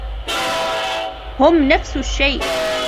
هم نفس الشيء.